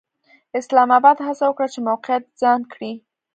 اسلام اباد هڅه وکړه چې موقعیت ځان کړي.